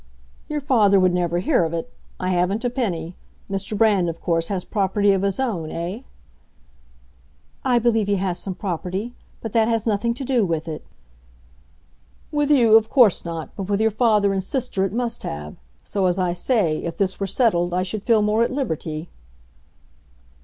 "Your father would never hear of it; I haven't a penny. Mr. Brand, of course, has property of his own, eh?" "I believe he has some property; but that has nothing to do with it." "With you, of course not; but with your father and sister it must have. So, as I say, if this were settled, I should feel more at liberty."